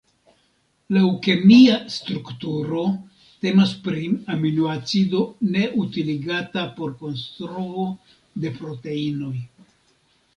Laŭ kemia strukturo temas pri aminoacido ne utiligata por konstruo de proteinoj.